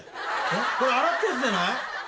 これ洗ったやつじゃない？